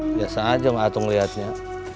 biasa aja gak ada yang ngeliatnya